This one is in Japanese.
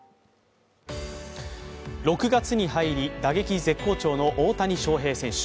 ６月に入り、打撃絶好調の大谷翔平選手。